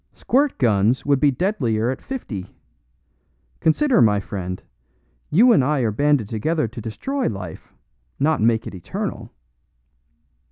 Squirt guns would be deadlier at fifty. Consider, my friend, you and I are banded together to destroy life, not make it eternal."